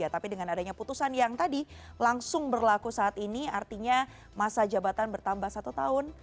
tapi dengan adanya putusan yang tadi langsung berlaku saat ini artinya masa jabatan bertambah satu tahun